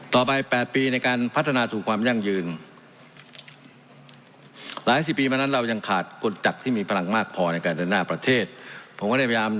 ต่อไป๘ปีในการพัฒนาสู่ความยั่งยืน